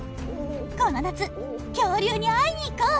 この夏恐竜に会いに行こう！